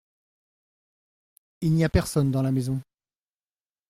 Il n'y a personne dans la maison.